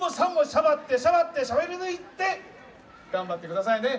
しゃばってしゃばってしゃばり抜いて頑張ってくださいね。